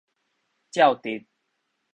照直